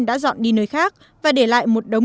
đã dọn đi nơi khác và để lại một đống